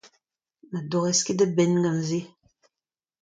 Na dorrez ket da benn gant se.